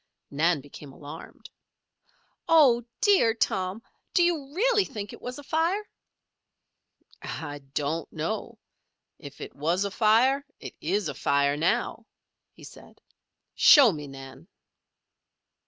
Nan became alarmed. "Oh, dear, Tom! Do you really think it was afire?" "I, don't know. If it was afire, it is afire now," he said. "Show me, Nan."